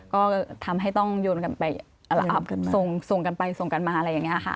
ก็ทำให้ต้องโยนกันไปส่งกันไปส่งกันมาอะไรอย่างนี้ค่ะ